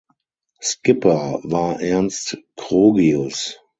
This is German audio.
Skipper war Ernst Krogius.